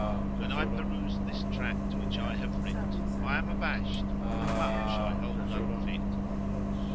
When I peruse this tract which I have writ, I am abash'd, and much I hold unfit.